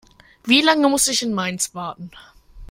Wie lange muss ich in Mainz warten?